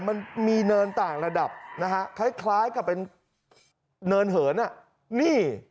มันมีเนินต่างระดับนะฮะคล้ายคล้ายกับเป็นเนินเหินอ่ะนี่